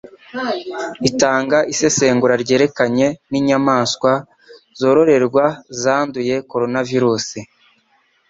itanga isesengura ryerekeranye n’inyamaswa zororerwa zanduye koronavirusi